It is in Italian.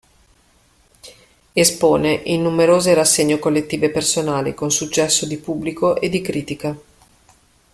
Espone in numerose rassegne collettive e personali con successo di pubblico e di critica.